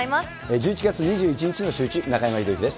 １１月２１日のシューイチ、中山秀征です。